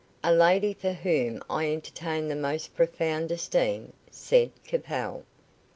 "A lady for whom I entertain the most profound esteem," said Capel.